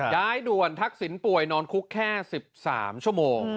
ย้ายด่วนทักษิณป่วยนอนคุกแค่๑๓ชั่วโมง